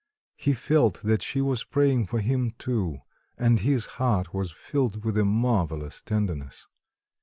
He felt that she was praying for him too, and his heart was filled with a marvelous tenderness.